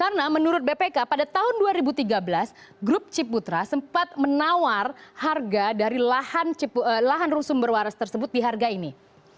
karena menurut bpk pada tahun dua ribu tiga belas grup ciputra sempat menawar harga dari lahan sumber waras tersebut di harga ini